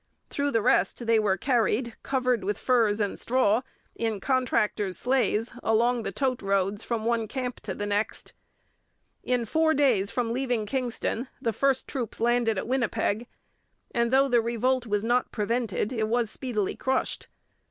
Through the rest they were carried, covered with furs and straw, in contractors' sleighs along the tote roads from one camp to the next. In four days from leaving Kingston the first troops landed at Winnipeg; and though the revolt was not prevented, it was speedily crushed.